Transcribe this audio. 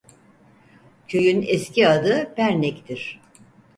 Köyün eski adı "Pernek"'dir.